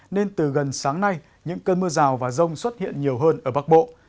nên từ gần sáng nay những cơn mưa rào và rông xuất hiện nhiều hơn ở bắc bộ